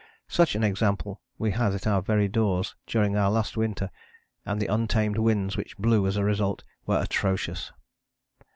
Such an example we had at our very doors during our last winter, and the untamed winds which blew as a result were atrocious.